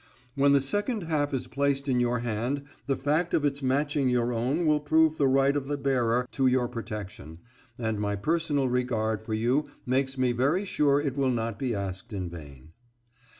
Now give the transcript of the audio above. When the second half is placed in your hand the fact of its matching your own will prove the right of the bearer to your protection, and my personal regard for you makes me very sure it will not be asked in vain.